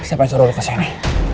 siapa yang suruh lepasin ini